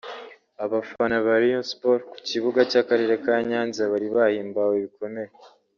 Abafana ba Rayon Sport ku kibuga cy’akarere ka Nyanza bari bahimbawe bikomeye